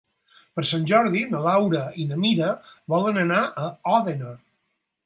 Per Sant Jordi na Laura i na Mira volen anar a Òdena.